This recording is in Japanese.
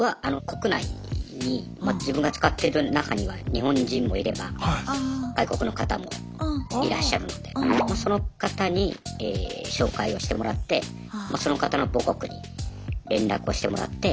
国内に自分が使ってる中には日本人もいれば外国の方もいらっしゃるのでその方に紹介をしてもらってその方の母国に連絡をしてもらって。